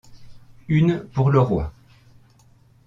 Une pour le Roi.